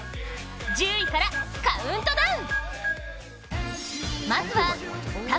１０位からカウントダウン！